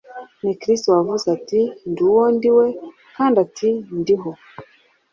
ni Kristo wavuze ati: " Ndi uwo ndiwe " kandi ati: Ndiho